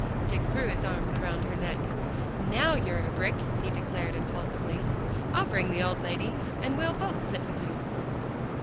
Dick threw his arms around her neck. "Now, you're a brick!" he declared impulsively. "I'll bring the old lady, and we'll both sit with you."